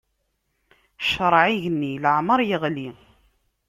Ccṛeɛ igenni leɛmeṛ iɣli.